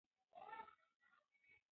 هغه د انسانانو ترمنځ مساوات غوښتل.